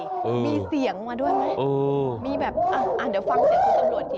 เออมีเสียงมาด้วยไหมเออมีแบบอ่ะเดี๋ยวฟังเสียงคุณตำรวจที